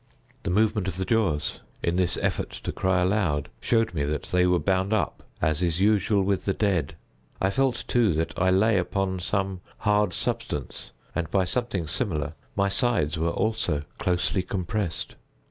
The movement of the jaws, in this effort to cry aloud, showed me that they were bound up, as is usual with the dead. I felt, too, that I lay upon some hard substance; and by something similar my sides were, also, closely compressed.